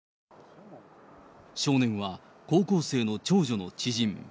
少年は高校生の長女の知人。